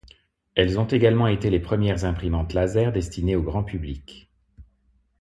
Elles ont également été les premières imprimantes laser destinées au grand public.